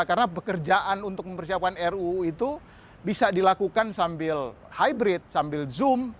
karena pekerjaan untuk mempersiapkan ruu itu bisa dilakukan sambil hybrid sambil zoom